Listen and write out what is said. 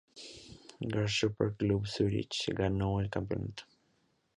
Grasshopper Club Zürich ganó el campeonato.